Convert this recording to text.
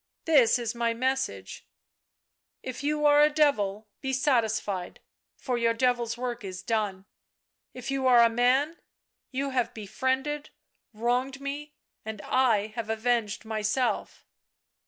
" This is my message: " If you are a devil be satisfied, for your devil's work is done. " If you are a man, you have befriended, wronged me, and I have avenged myself.